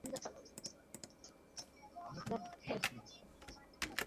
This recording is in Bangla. আমার বন্ধু, শেখ মুজিবুর!